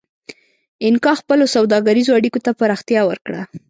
اینکا خپلو سوداګریزو اړیکو ته پراختیا ورکړه.